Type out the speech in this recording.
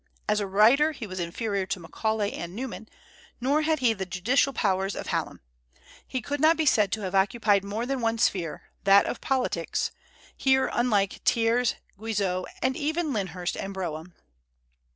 As a writer he was inferior to Macaulay and Newman, nor had he the judicial powers of Hallam. He could not be said to have occupied more than one sphere, that of politics, here unlike Thiers, Guizot, and even Lyndhurst and Brougham.